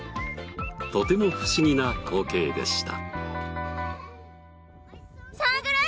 とても不思議な光景でした。